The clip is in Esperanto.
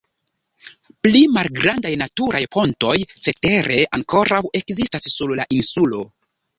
Pli malgrandaj naturaj pontoj cetere ankoraŭ ekzistas sur la insulo.